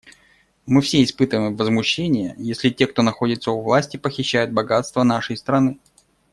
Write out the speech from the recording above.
Мы все испытываем возмущение, если те, кто находится у власти, похищают богатства нашей страны.